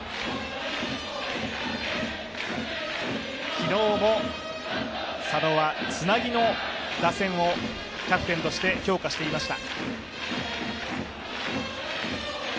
昨日も佐野はつなぎの打線をキャプテンとして強化していました。